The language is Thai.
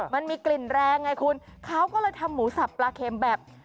มันมีกลิ่นแรงไงคุณเขาก็เลยทำหมูสับปลาเค็มแบบ